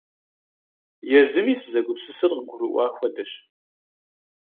Езыми сызэгупсысыр къыгурыӀуа хуэдэщ.